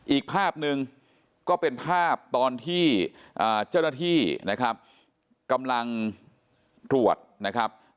อีกภาพหนึ่งก็เป็นภาพตอนที่เจ้าหน้าที่นะครับกำลังตรวจนะครับ